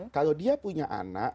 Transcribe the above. kalau dia punya anak